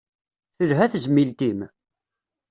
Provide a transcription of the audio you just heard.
Telha tezmilt-im?